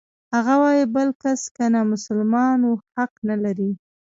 هغه وايي بل کس که نامسلمان و حق نلري.